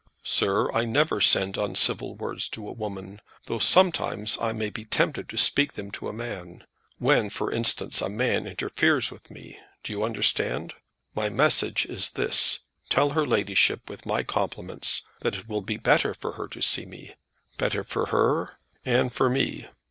"Sir, I never send uncivil words to a woman, though sometimes I may be tempted to speak them to a man; when, for instance, a man interferes with me; do you understand? My message is this: tell her ladyship, with my compliments, that it will be better for her to see me, better for her, and for me.